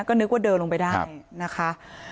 ก็นึกว่าเดินลงไปได้นะคะ